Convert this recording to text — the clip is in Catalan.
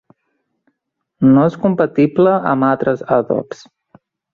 No és compatible amb altres adobs.